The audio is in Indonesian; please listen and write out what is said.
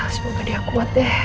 semoga dia kuat deh